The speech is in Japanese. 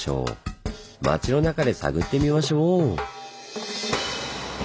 町の中で探ってみましょう！